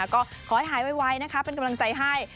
ก็ขอให้หายไวนะคะเป็นกำลังใจให้